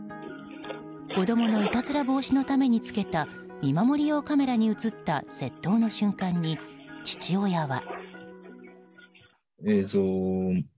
子供のいたずら防止のためにつけた見守りようカメラに映った窃盗の瞬間に、父親は。